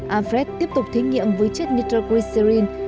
alfred tiếp tục thí nghiệm với chất nitroglycerin